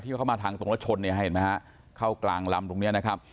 ที่เข้ามาทางตรงละชนให้เห็นไหมฮะเข้ากลางลำตรงเนธนะครับ